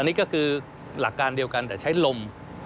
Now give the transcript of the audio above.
นี่ก็คือหลักการเดียวกันแต่ใช้ลม